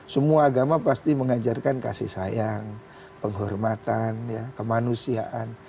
semua agama pasti mengajarkan kasih sayang penghormatan kemanusiaan